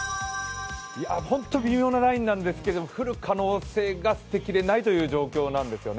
本当に微妙なラインなんですが降る可能性が捨てきれないという状況なんですよね。